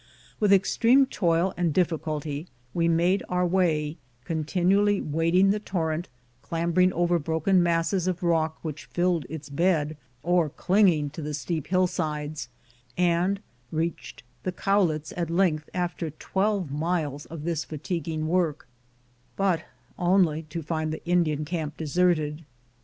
With extreme toil and difficulty we made our way, continually wading the torrent, clambering over broken masses of rock which filled its bed, or cling ing to the steep hillsides, and reached the Cowlitz at length after twelve miles of this fatiguing work, but only to find the Indian camp deserted.